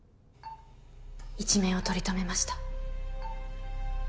一命を取り留めました。